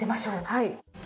はい。